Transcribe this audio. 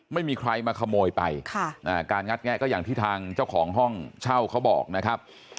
ไม่มีใครมาขโมยไปการงัดแงะก็อย่างที่ทางเจ้าของห้องเช่าเขาบอกนะครับ